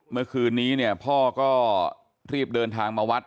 เมื่อคืนนี้เนี่ยพ่อก็รีบเดินทางมาวัด